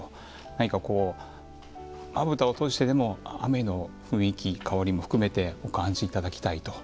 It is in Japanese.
何かこうまぶたを閉じてても雨の雰囲気香りも含めてお感じ頂きたいと。